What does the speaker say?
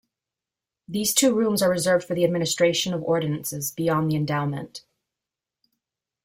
These two rooms are reserved for the administration of ordinances beyond the Endowment.